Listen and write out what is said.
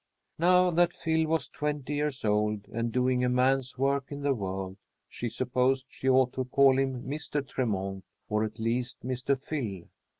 Now that Phil was twenty years old and doing a man's work in the world, she supposed she ought to call him Mr. Tremont, or, at least, Mr. Phil.